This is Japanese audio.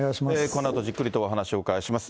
このあとじっくりとお話を伺います。